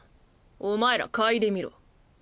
お前ら嗅いでみろ。